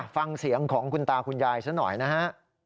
ฟังเสียงของคุณตาคุณยายซะหน่อยนะฮะ